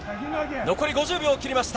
残り５０秒を切りました。